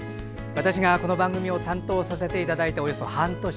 私がこの番組を担当させていただいておよそ半年。